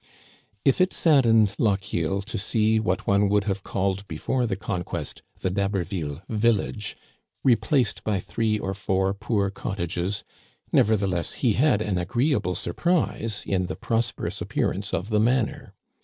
If it saddened Lochiel to see what one would have called before the conquest the D'Haberville village re placed by three or four poor cottages, nevertheless, he Digitized by VjOOQIC LOCHIEL AND BLANCHE. 233 had an agreeable surprise in the prosperous appearance of the manor.